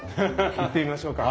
行ってみましょうか。